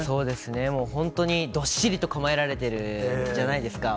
もう本当に、どっしりと構えられてるじゃないですか。